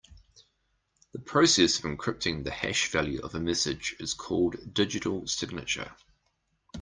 The process of encrypting the hash value of a message is called digital signature.